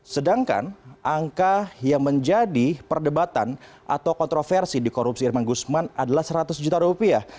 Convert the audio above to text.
sedangkan angka yang menjadi perdebatan atau kontroversi di korupsi irman gusman adalah seratus juta rupiah